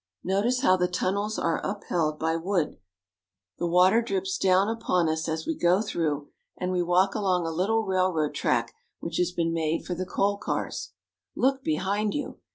Notice how the tunnels are upheld by wood. The water drips down upon us as we go through, and we walk along a little railroad track which has been made for S^^^^^^F^ '¥^ ^^M[ '^ the coal cars. Look behind you